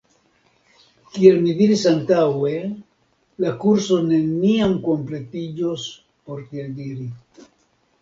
Kiel mi diris antaŭe la kurso neniam kompletiĝos por tiel diri.